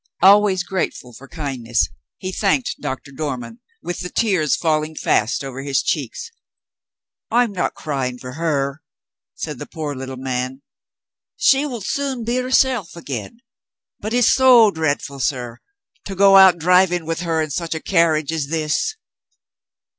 Always grateful for kindness, he thanked Doctor Dormann, with the tears falling fast over his cheeks. "I'm not crying for her," said the poor little man; "she will soon be herself again. But it's so dreadful, sir, to go out driving with her in such a carriage as this!"